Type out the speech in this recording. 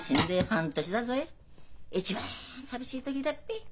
一番寂しい時だっぺ？